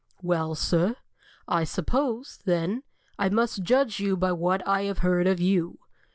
"Well, sir, I suppose, then, I must judge you by what I have heard of you."